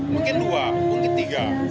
mungkin dua mungkin tiga